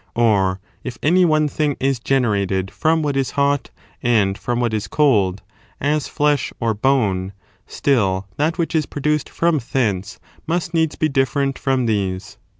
Or, if any one thing is generated from what is hot and from what is cold, as flesh or bone, still that which is produced from thence must needs be different from these.